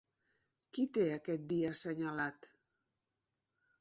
Qui té aquest dia assenyalat?